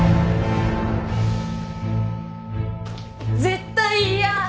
絶対嫌！